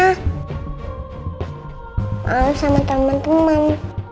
aku malu sama temen temen